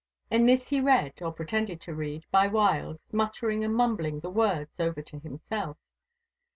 In this he read, or pretended to read, by whiles, muttering and mumbling the words over to himself.